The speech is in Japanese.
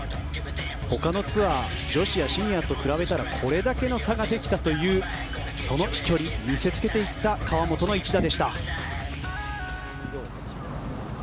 ほかのツアー女子やシニアと比べたらこれだけの差ができたというその飛距離を見せつけていった河本の一打でした。